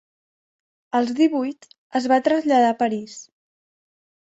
Als divuit es va traslladar a París.